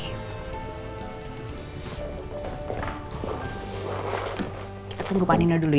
kita tunggu pak nino dulu